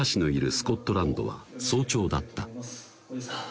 スコットランドは早朝だったＴＶ森保監督